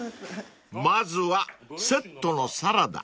［まずはセットのサラダ］